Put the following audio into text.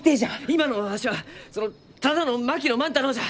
今のわしはそのただの槙野万太郎じゃ！